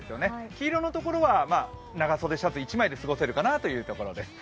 黄色のところは長袖シャツ１枚で過ごせるかなという感じです。